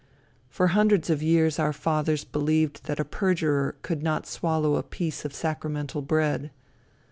For hundreds of years our fathers believed that a perjurer could not swallow a piece of sacramental bread.